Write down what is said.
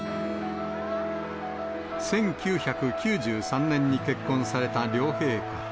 １９９３年に結婚された両陛下。